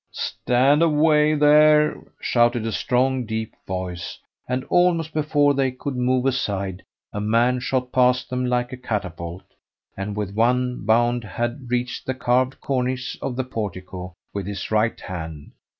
"Stand away there!" shouted a strong deep voice; and almost before they could move aside a man shot past them like a catapult, and with one bound had reached the carved cornice of the portico with his right hand.